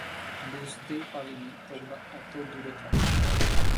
বুঝতেই পারিনি তোমরা এত দূরে থাকো!